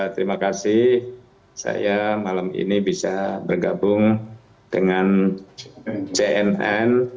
terima kasih saya malam ini bisa bergabung dengan cnn